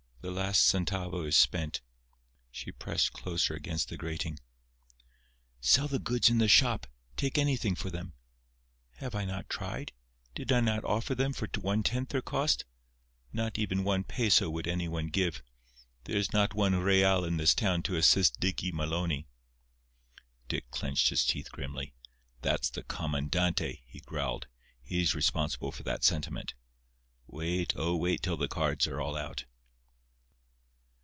The last centavo is spent." She pressed closer against the grating. "Sell the goods in the shop—take anything for them." "Have I not tried? Did I not offer them for one tenth their cost? Not even one peso would any one give. There is not one real in this town to assist Dickee Malonee." Dick clenched his teeth grimly. "That's the comandante," he growled. "He's responsible for that sentiment. Wait, oh, wait till the cards are all out."